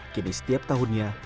kini setiap tahunnya